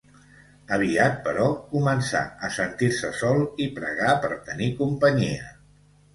Aviat, però, començà a sentir-se sol i pregà per tenir companyia.